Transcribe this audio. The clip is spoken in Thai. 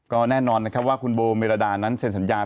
ก็แน่นอนนะครับว่าคุณโบเมรดานั้นเซ็นสัญญา